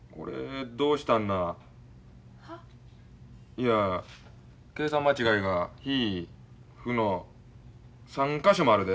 いや計算間違いがひいふの３か所もあるで。